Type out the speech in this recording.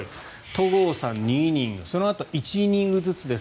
戸郷さん、２イニングそのあと１イニングずつです。